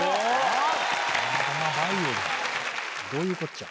どういうこっちゃ？